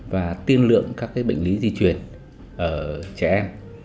và tiên lượng các bệnh lý di chuyển ở trẻ em